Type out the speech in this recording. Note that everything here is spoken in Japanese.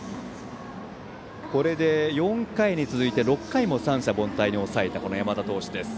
これで４回に続いて６回も三者凡退に抑えた山田投手です。